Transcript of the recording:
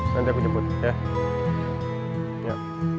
nanti aku jeput ya